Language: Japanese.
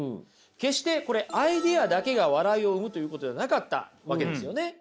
決してこれアイデアだけが笑いを生むということではなかったわけですよね。